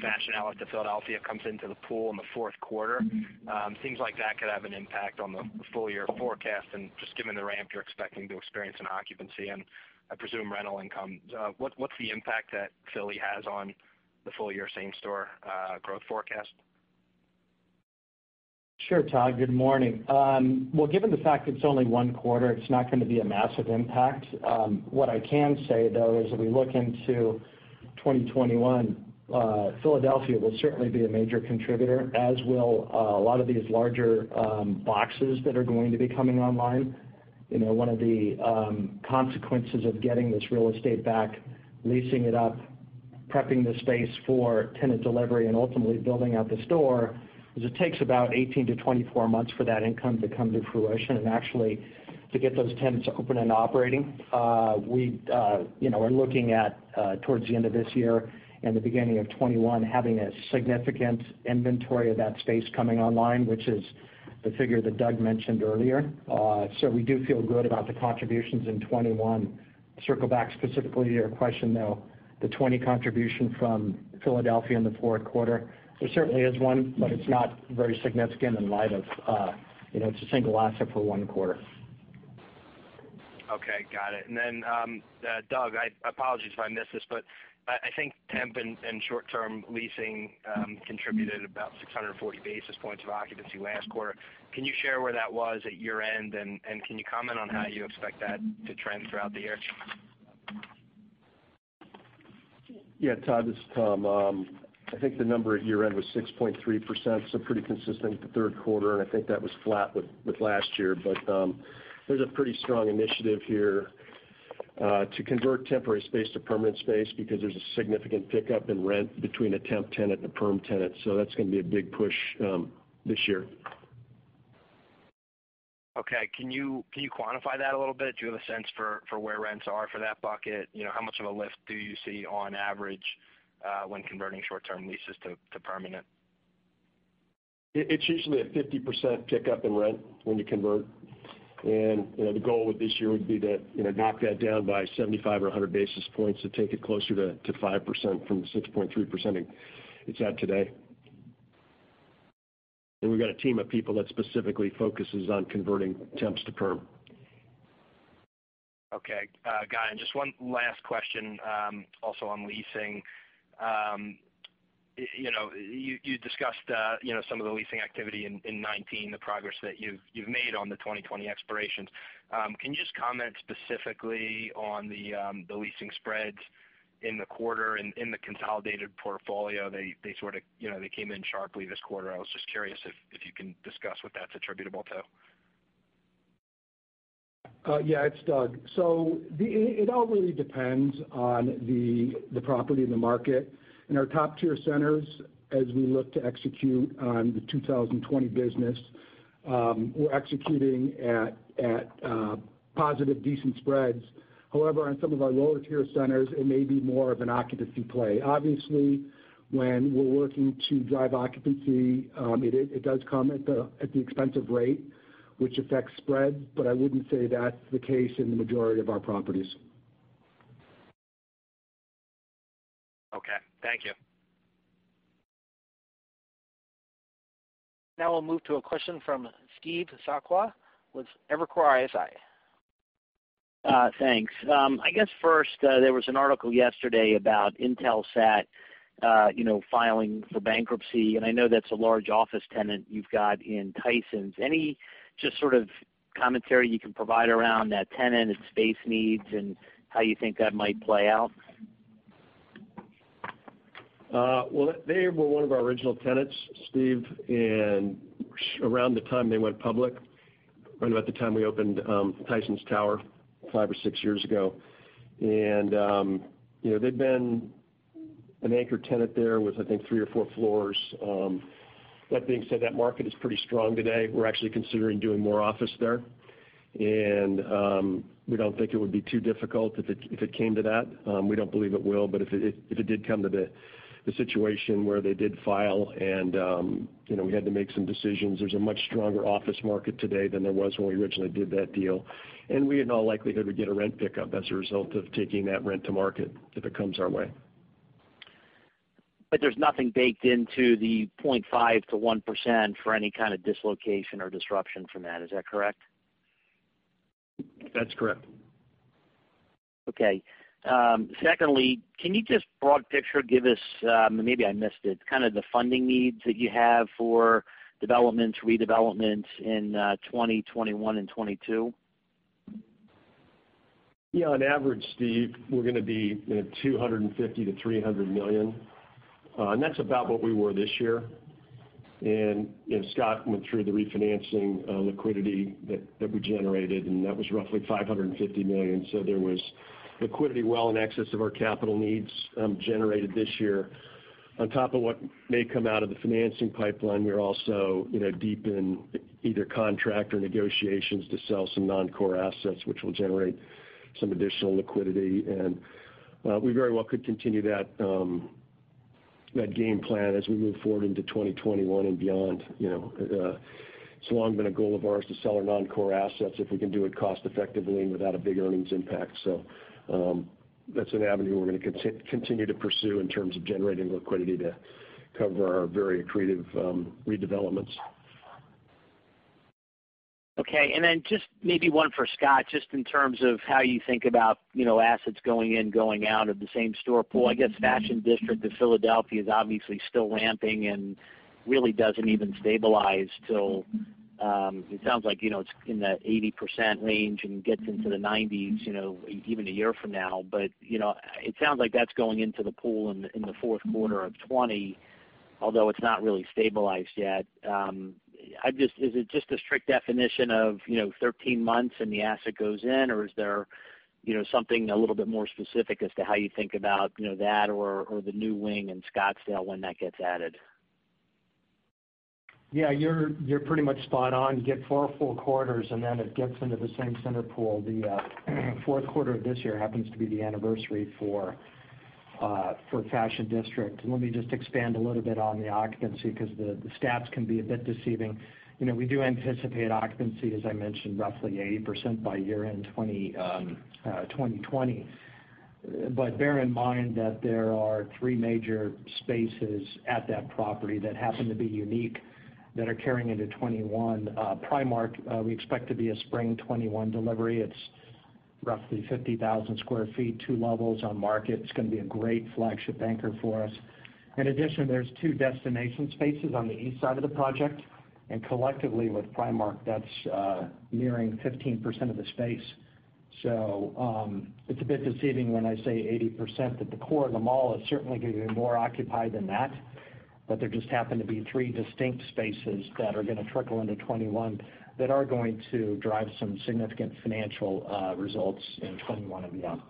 Fashion Outlets of Philadelphia comes into the pool in the fourth quarter. Things like that could have an impact on the full-year forecast. Just given the ramp you're expecting to experience in occupancy, and I presume rental income, what's the impact that Philly has on the full-year same-store growth forecast? Sure, Todd. Good morning. Well, given the fact it's only one quarter, it's not going to be a massive impact. What I can say, though, is as we look into 2021, Philadelphia will certainly be a major contributor, as will a lot of these larger boxes that are going to be coming online. One of the consequences of getting this real estate back, leasing it up, prepping the space for tenant delivery, and ultimately building out the store, is it takes about 18 to 24 months for that income to come to fruition and actually to get those tenants open and operating. We're looking at towards the end of this year and the beginning of 2021 having a significant inventory of that space coming online, which is the figure that Doug mentioned earlier. We do feel good about the contributions in 2021. Circle back specifically to your question, though, the 2020 contribution from Philadelphia in the fourth quarter. There certainly is one, but it's not very significant in light of it's a single asset for one quarter. Okay, got it. Doug, apologies if I missed this, but I think temp and short-term leasing contributed about 640 basis points of occupancy last quarter. Can you share where that was at year-end, and can you comment on how you expect that to trend throughout the year? Yeah, Todd, this is Tom. I think the number at year-end was 6.3%, so pretty consistent with the third quarter, and I think that was flat with last year. There's a pretty strong initiative here to convert temporary space to permanent space because there's a significant pickup in rent between a temp tenant and a perm tenant. That's going to be a big push this year. Okay. Can you quantify that a little bit? Do you have a sense for where rents are for that bucket? How much of a lift do you see on average when converting short-term leases to permanent? It's usually a 50% pickup in rent when you convert. The goal with this year would be to knock that down by 75 or 100 basis points to take it closer to 5% from the 6.3% it's at today. We've got a team of people that specifically focuses on converting temps to perm. Okay, got it. Just one last question also on leasing. You discussed some of the leasing activity in 2019, the progress that you've made on the 2020 expirations. Can you just comment specifically on the leasing spreads in the quarter and in the consolidated portfolio? They sort of came in sharply this quarter. I was just curious if you can discuss what that's attributable to. Yeah, it's Doug. It all really depends on the property and the market. In our top-tier centers, as we look to execute on the 2020 business, we're executing at positive decent spreads. However, on some of our lower-tier centers, it may be more of an occupancy play. Obviously, when we're working to drive occupancy, it does come at the expense of rate, which affects spreads, but I wouldn't say that's the case in the majority of our properties. Okay. Thank you. Now we'll move to a question from Steve Sakwa with Evercore ISI. Thanks. I guess first, there was an article yesterday about Intelsat filing for bankruptcy, I know that's a large office tenant you've got in Tysons. Any just sort of commentary you can provide around that tenant, its space needs, and how you think that might play out? Well, they were one of our original tenants, Steve. Around the time they went public, right about the time we opened Tysons Tower five or six years ago. They've been an anchor tenant there with, I think, three or four floors. That being said, that market is pretty strong today. We're actually considering doing more office there. We don't think it would be too difficult if it came to that. We don't believe it will, but if it did come to the situation where they did file and we had to make some decisions, there's a much stronger office market today than there was when we originally did that deal. We in all likelihood would get a rent pickup as a result of taking that rent to market if it comes our way. There's nothing baked into the 0.5%-1% for any kind of dislocation or disruption from that, is that correct? That's correct. Okay. Secondly, can you just broad picture give us, maybe I missed it, kind of the funding needs that you have for developments, redevelopments in 2020, 2021, and 2022? Yeah, on average, Steve, we're going to be $250 million-$300 million. That's about what we were this year. Scott went through the refinancing liquidity that we generated, and that was roughly $550 million. There was liquidity well in excess of our capital needs generated this year. On top of what may come out of the financing pipeline, we're also deep in either contract or negotiations to sell some non-core assets, which will generate some additional liquidity, and we very well could continue that game plan as we move forward into 2021 and beyond. It's long been a goal of ours to sell our non-core assets if we can do it cost effectively and without a big earnings impact. That's an avenue we're going to continue to pursue in terms of generating liquidity to cover our very accretive redevelopments. Just maybe one for Scott, just in terms of how you think about assets going in, going out of the same store pool. I guess Fashion District Philadelphia is obviously still ramping and really doesn't even stabilize till, it sounds like, it's in the 80% range and gets into the 90s, even a year from now. It sounds like that's going into the pool in the fourth quarter of 2020, although it's not really stabilized yet. Is it just a strict definition of 13 months and the asset goes in, or is there something a little bit more specific as to how you think about that or the new wing in Scottsdale when that gets added? Yeah, you're pretty much spot on. You get four full quarters, then it gets into the same center pool. The fourth quarter of this year happens to be the anniversary for Fashion District. Let me just expand a little bit on the occupancy because the stats can be a bit deceiving. We do anticipate occupancy, as I mentioned, roughly 80% by year-end 2020. Bear in mind that there are three major spaces at that property that happen to be unique that are carrying into 2021. Primark, we expect to be a spring 2021 delivery. It's roughly 50,000 sq ft, two levels on market. It's going to be a great flagship anchor for us. In addition, there's two destination spaces on the east side of the project, and collectively with Primark, that's nearing 15% of the space. It's a bit deceiving when I say 80%, but the core of the mall is certainly going to be more occupied than that. There just happen to be three distinct spaces that are going to trickle into 2021 that are going to drive some significant financial results in 2021 and beyond.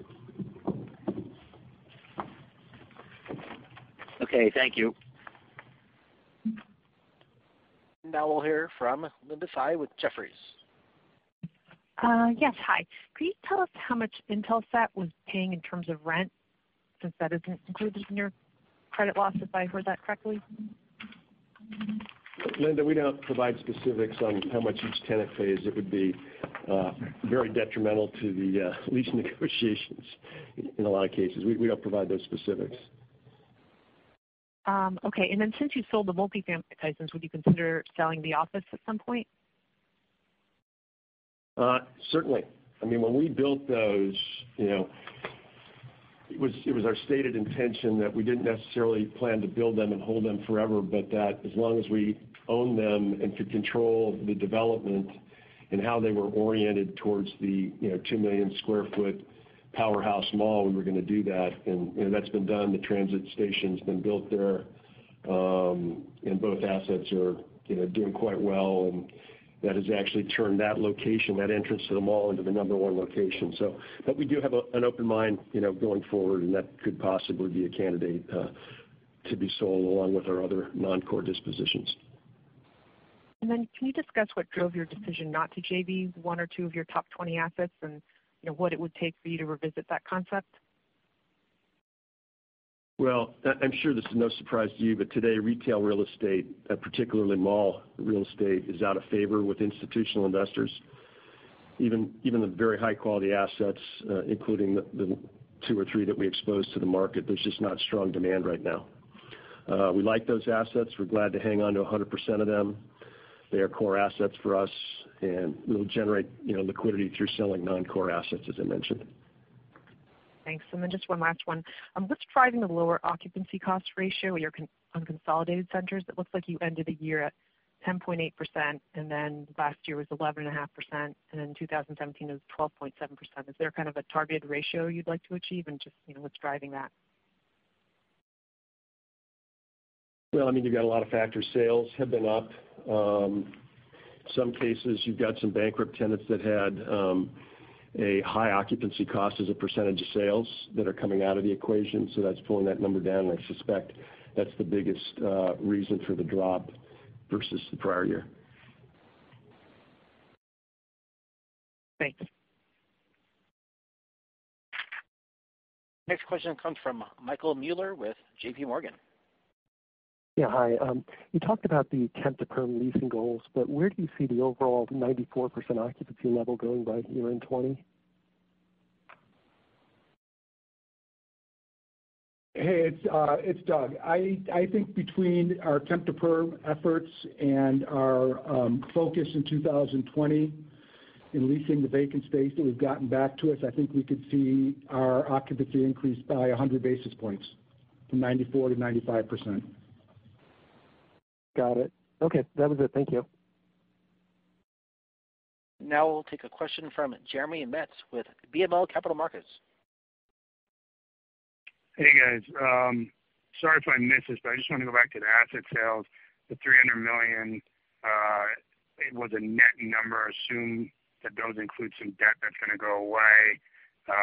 Okay. Thank you. Now we'll hear from Linda Tsai with Jefferies. Hi. Could you tell us how much Intelsat was paying in terms of rent, since that isn't included in your credit loss, if I heard that correctly? Linda, we don't provide specifics on how much each tenant pays. It would be very detrimental to the lease negotiations in a lot of cases. We don't provide those specifics. Okay. Since you've sold the multifamily sites, would you consider selling the office at some point? Certainly. When we built those, it was our stated intention that we didn't necessarily plan to build them and hold them forever, but that as long as we own them and could control the development and how they were oriented towards the 2 million square foot powerhouse mall, we were going to do that. That's been done. The transit station's been built there. Both assets are doing quite well. That has actually turned that location, that entrance to the mall, into the number one location. We do have an open mind going forward, and that could possibly be a candidate to be sold along with our other non-core dispositions. Can you discuss what drove your decision not to JV one or two of your top 20 assets and what it would take for you to revisit that concept? I'm sure this is no surprise to you, but today, retail real estate, particularly mall real estate, is out of favor with institutional investors. Even the very high-quality assets, including the two or three that we exposed to the market, there's just not strong demand right now. We like those assets. We're glad to hang on to 100% of them. They are core assets for us, and we'll generate liquidity through selling non-core assets, as I mentioned. Thanks. Just one last one. What's driving the lower occupancy cost ratio at your unconsolidated centers? It looks like you ended the year at 10.8%, and then last year was 11.5%, and in 2017, it was 12.7%. Is there kind of a targeted ratio you'd like to achieve, and just what's driving that? Well, you've got a lot of factors. Sales have been up. Some cases you've got some bankrupt tenants that had a high occupancy cost as a percentage of sales that are coming out of the equation. That's pulling that number down, and I suspect that's the biggest reason for the drop versus the prior year. Thanks. Next question comes from Michael Mueller with JPMorgan. Yeah, hi. You talked about the temp-to-perm leasing goals, but where do you see the overall 94% occupancy level going by year-end 2020? Hey, it's Doug. I think between our temp to perm efforts and our focus in 2020 in leasing the vacant space that we've gotten back to us, I think we could see our occupancy increase by 100 basis points from 94% to 95%. Got it. Okay. That was it. Thank you. Now we'll take a question from Jeremy Metz with BMO Capital Markets. Hey, guys. Sorry if I missed this, I just want to go back to the asset sales, the $300 million. It was a net number. I assume that those include some debt that's going to go away,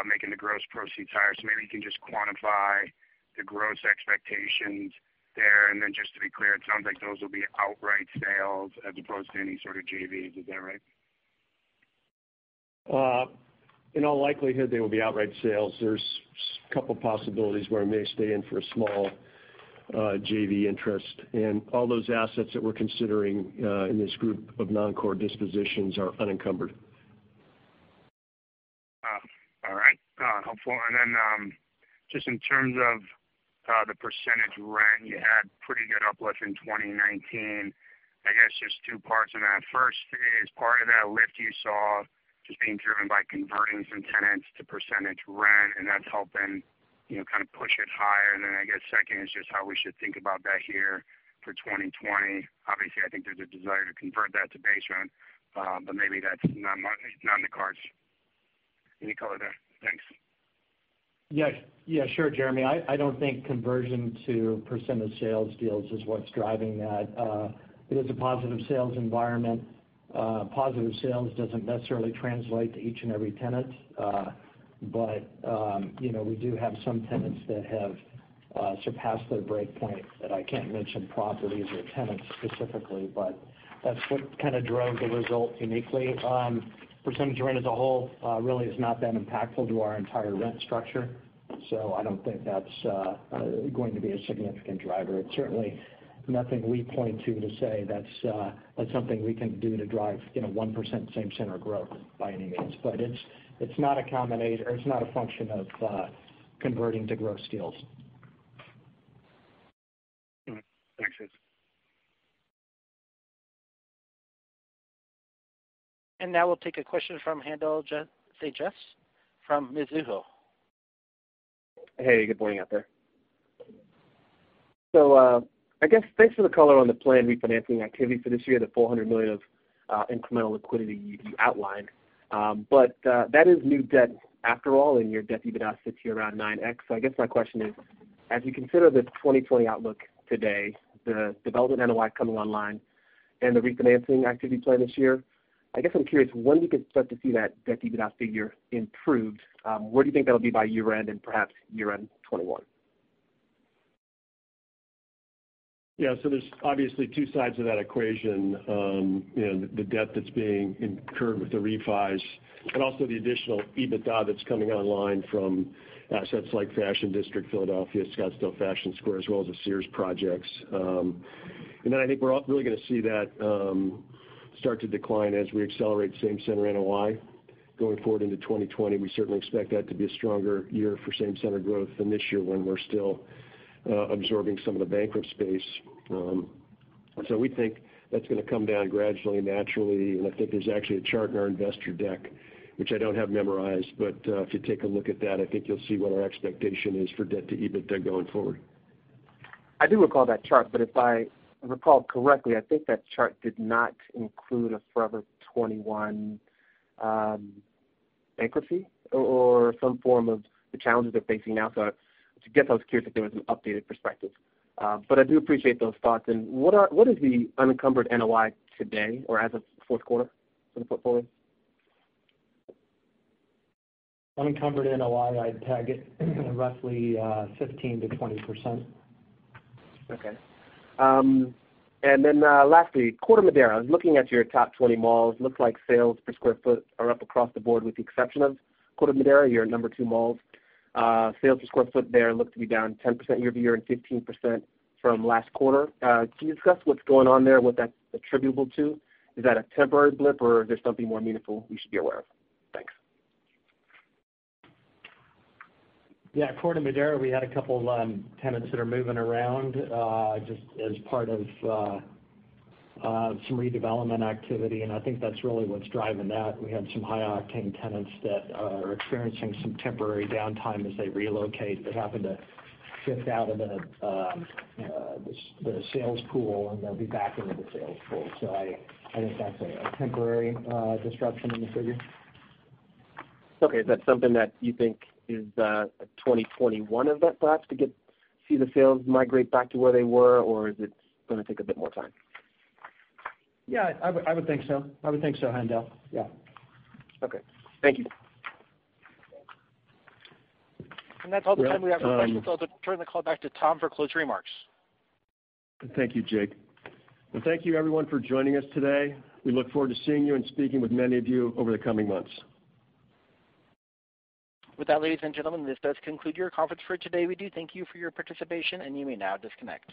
making the gross proceeds higher. Maybe you can just quantify the gross expectations there. Just to be clear, it sounds like those will be outright sales as opposed to any sort of JVs. Is that right? In all likelihood, they will be outright sales. There's a couple possibilities where I may stay in for a small JV interest. All those assets that we're considering in this group of non-core dispositions are unencumbered. All right. Helpful. Just in terms of the percentage rent, you had pretty good uplift in 2019. I guess just two parts on that. First is, part of that lift you saw just being driven by converting some tenants to percentage rent, and that's helping kind of push it higher. Just I guess second is just how we should think about that here for 2020. Obviously, I think there's a desire to convert that to base rent, but maybe that's not in the cards. Any color there? Thanks. Yes. Sure, Jeremy. I don't think conversion to percentage sales deals is what's driving that. It is a positive sales environment. Positive sales doesn't necessarily translate to each and every tenant. We do have some tenants that have surpassed their break point that I can't mention properties or tenants specifically, but that's what kind of drove the result uniquely. Percentage rent as a whole really has not been impactful to our entire rent structure. I don't think that's going to be a significant driver. It's certainly nothing we point to say that's something we can do to drive 1% same-center growth by any means. It's not a function of converting to gross deals. Thanks, Dave. Now we'll take a question from Haendel St. Juste from Mizuho. Hey, good morning out there. I guess thanks for the color on the planned refinancing activity for this year, the $400 million of incremental liquidity you outlined. That is new debt after all, and your debt EBITDA sits here around 9x. I guess my question is, as you consider the 2020 outlook today, the development NOI coming online, and the refinancing activity plan this year, I guess I'm curious when we could start to see that debt-to-EBITDA figure improved. Where do you think that'll be by year-end and perhaps year-end 2021? Yeah. There's obviously two sides of that equation. The debt that's being incurred with the refis, but also the additional EBITDA that's coming online from assets like Fashion District Philadelphia, Scottsdale Fashion Square, as well as the Sears projects. I think we're really going to see that start to decline as we accelerate same-center NOI going forward into 2020. We certainly expect that to be a stronger year for same-center growth than this year when we're still absorbing some of the bankrupt space. We think that's going to come down gradually, naturally, and I think there's actually a chart in our investor deck, which I don't have memorized, but if you take a look at that, I think you'll see what our expectation is for debt-to-EBITDA going forward. I do recall that chart, but if I recall correctly, I think that chart did not include a Forever 21 bankruptcy or some form of the challenges they're facing now. I guess I was curious if there was an updated perspective. I do appreciate those thoughts. What is the unencumbered NOI today or as of fourth quarter for the portfolio? Unencumbered NOI, I'd tag it roughly 15%-20%. Okay. Lastly, Corte Madera. Looking at your top 20 malls, looks like sales per square foot are up across the board with the exception of Corte Madera, your number two mall. Sales per square foot there look to be down 10% year-over-year and 15% from last quarter. Can you discuss what's going on there and what that's attributable to? Is that a temporary blip, or is there something more meaningful we should be aware of? Thanks. Yeah. Corte Madera, we had a couple tenants that are moving around, just as part of some redevelopment activity. I think that's really what's driving that. We had some high-octane tenants that are experiencing some temporary downtime as they relocate that happened to shift out of the sales pool and they'll be back into the sales pool. I think that's a temporary disruption in the figure. Is that something that you think is a 2021 event perhaps to see the sales migrate back to where they were, or is it going to take a bit more time? Yeah, I would think so. I would think so, Haendel. Yeah. Okay. Thank you. That's all the time we have for questions. I'll turn the call back to Tom for closing remarks. Thank you, Jake. Well, thank you everyone for joining us today. We look forward to seeing you and speaking with many of you over the coming months. With that, ladies and gentlemen, this does conclude your conference for today. We do thank you for your participation. You may now disconnect.